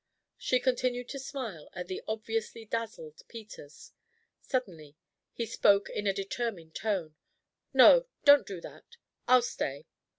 She continued to smile at the obviously dazzled Peters. Suddenly he spoke in a determined tone: "No don't do that. I'll stay."